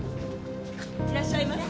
いらっしゃいませ。